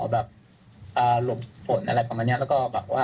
หลบฝนอะไรประมาณนี้แล้วก็